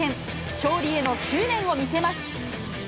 勝利への執念を見せます。